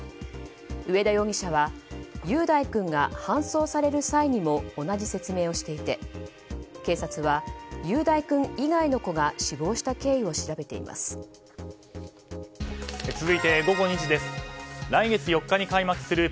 上田容疑者は雄大君が搬送される際にも同じ説明をしていて警察は雄大君以外の子が死亡した経緯を調べています。